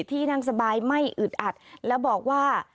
ที่นั่งสบายไม่อึดอัดและบอกว่า